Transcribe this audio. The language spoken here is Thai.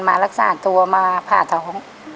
มารักษาตัวมาผ่าท้อง